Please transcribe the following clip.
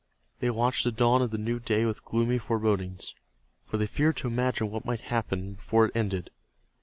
They watched the dawn of the new day with gloomy forebodings, for they feared to imagine what might happen before it ended.